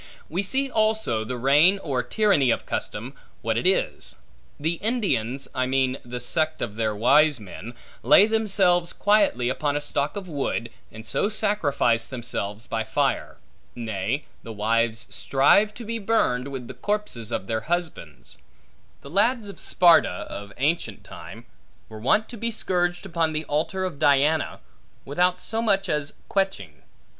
We see also the reign or tyranny of custom, what it is. The Indians (I mean the sect of their wise men) lay themselves quietly upon a stock of wood, and so sacrifice themselves by fire. Nay, the wives strive to be burned, with the corpses of their husbands. The lads of Sparta, of ancient time, were wont to be scourged upon the altar of Diana, without so much as queching.